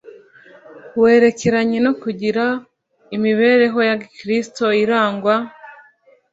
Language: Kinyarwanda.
werekeranye no kugira imibereho ya Gikristo irangwa